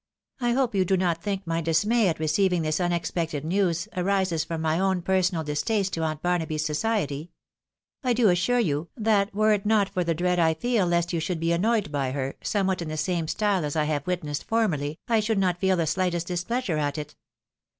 " I hope you do not think my dismay at receiving this unexpected news arises from my own personal distaste to Aunt Barnaby's society ? I do assure you, that were it not for the dread I feel lest you should be annoyed by her, somewhat in the same style as I have witnessed formerly, I should not feel the shghtest displeasure at it.